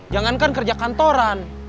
jangankan kerja kantoran